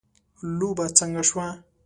لوبه څنګه شوه